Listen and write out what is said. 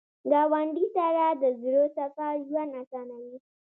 ګاونډي سره د زړه صفا ژوند اسانوي